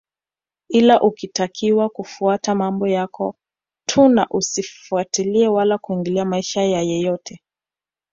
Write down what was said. Ila ulitakiwa kufuata mambo yako tu na usifatilie wala kuingilia maisha ya yeyote